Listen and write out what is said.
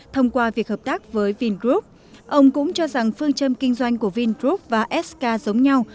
thông qua việc hợp tác với vingroup ông cũng cho rằng phương châm kinh doanh của vingroup và sk giống nhau